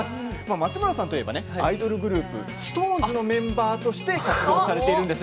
松村さんといえばアイドルグループＳｉｘＴＯＮＥＳのメンバーとして活躍されています。